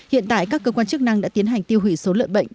hiện tại các cơ quan chức năng đã tiến hành tiêu hủy số lợn bệnh